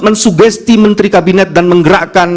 mensugesti menteri kabinet dan menggerakkan